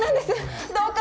どうか！